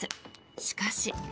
しかし。